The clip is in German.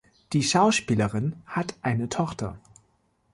Die Schauspielerin hat eine Tochter.